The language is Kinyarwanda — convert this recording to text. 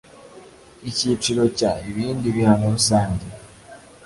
icyiciro cya ibindi bihano rusange